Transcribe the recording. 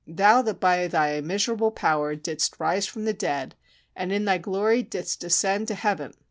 thou that by thy immeasurable power didst rise from the dead, and in thy glory didst ascend to heaven!"...